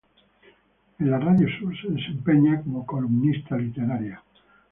En la radio Sur se desempeña como columnista literaria.